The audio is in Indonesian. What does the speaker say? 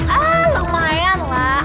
ah lumayan lah